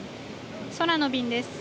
空の便です。